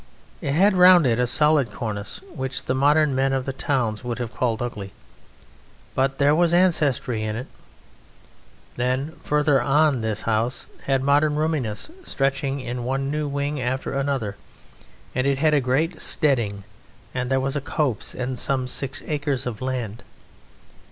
It had round it a solid cornice which the modern men of the towns would have called ugly, but there was ancestry in it. Then, further on this house had modern roominess stretching in one new wing after another; and it had a great steading and there was a copse and some six acres of land.